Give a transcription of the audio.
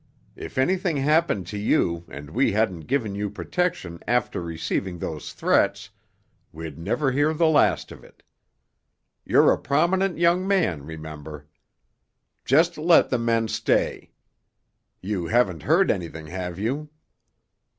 If anything happened to you, and we hadn't given you protection after receiving those threats, we'd never hear the last of it. You're a prominent young man, remember. Just let the men stay. You haven't heard anything, have you?"